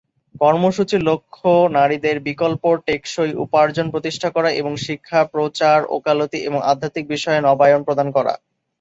কর্মসূচির লক্ষ্য নারীদের বিকল্প, টেকসই উপার্জন প্রতিষ্ঠা করা এবং শিক্ষা, প্রচার, ওকালতি এবং আধ্যাত্মিক বিষয়ে নবায়ন প্রদান করা।